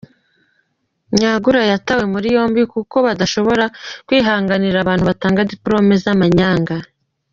Nyagura yatawe muri yombi kuko badashobora kwihanganira abantu batanga dipolome z’amanyanga.